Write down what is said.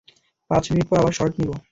পাঁচ মিনিট পর আবার শর্ট নিবো!